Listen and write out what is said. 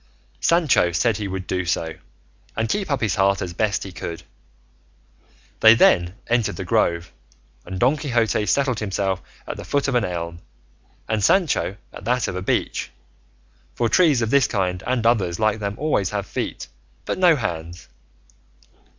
Sancho said he would do so, and keep up his heart as best he could. They then entered the grove, and Don Quixote settled himself at the foot of an elm, and Sancho at that of a beech, for trees of this kind and others like them always have feet but no hands.